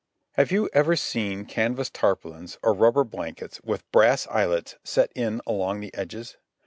Have you ever seen canvas tarpaulins or rubber blankets with brass eyelets set in along the edges?